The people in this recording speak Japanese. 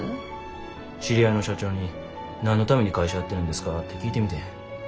知り合いの社長に何のために会社やってるんですかって聞いてみてん。